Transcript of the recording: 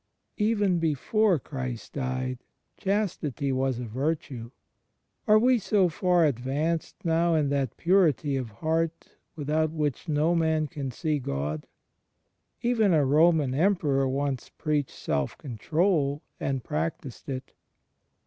Even before Christ died, chastity was a virtue. Are we so far advanced now in that purity of heart without which no man can see God? Even a Roman Emperor once preached self control, and practised it.